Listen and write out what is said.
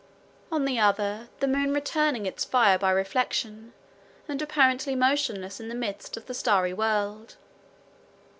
On the other, the moon returning its fire by reflection, and apparently motionless in the midst of the starry world.